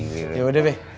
ya udah mui